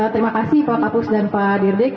terima kasih pak papus dan pak dirdik